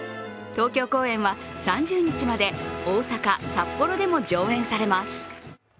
東京公演は３０日まで、大阪、札幌でも上演されます。